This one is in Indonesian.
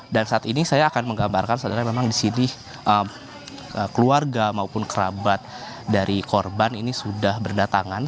dan saat ini saya akan menggambarkan saat ini memang di sini keluarga maupun kerabat dari korban ini sudah berdatangan